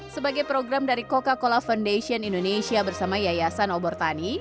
sebagai program dari coca cola foundation indonesia bersama yayasan obor tani